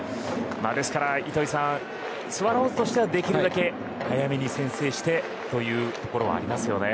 ですから、糸井さんスワローズとしてはできるだけ早めに先制してというところはありますね。